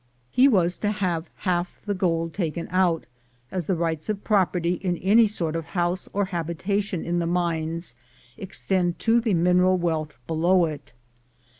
He was to have half the gold taken out, as the rights of property in any sort of house or habitation in the mines extend to the mineral wealth below it.